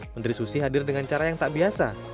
menteri susi hadir dengan cara yang tak biasa